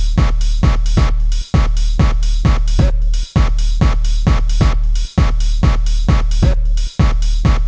semua orang di sekolah kamu akan lupa